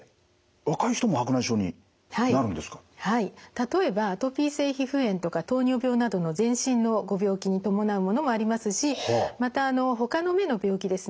例えばアトピー性皮膚炎とか糖尿病などの全身のご病気に伴うものもありますしまたほかの目の病気ですね